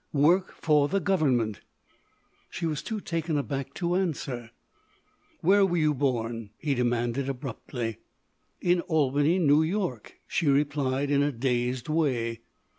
"Work for the Government." She was too taken aback to answer. "Where were you born?" he demanded abruptly. "In Albany, New York," she replied in a dazed way.